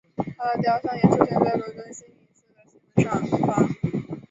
她的雕像也出现在伦敦西敏寺的西门上方。